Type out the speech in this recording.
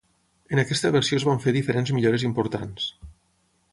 En aquesta versió es van fer diferents millores importants.